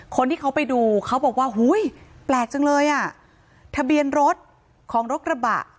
คนที่เขาไปดูเขาบอกว่าอุ้ยแปลกจังเลยอ่ะทะเบียนรถของรถกระบะ